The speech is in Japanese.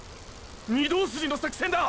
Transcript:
御堂筋の作戦だ！！